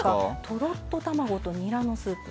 とろっと卵とにらのスープ。